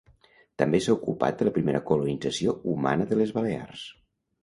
També s'ha ocupat de la primera colonització humana de les Balears.